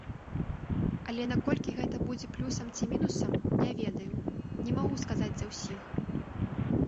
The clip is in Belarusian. Але наколькі гэта будзе плюсам ці мінусам, не ведаю, не магу сказаць за ўсіх.